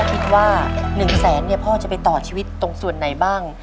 คิดว่า๑แสนพ่อจะไปต่อชีวิตตรงส่วนไหนบ้าง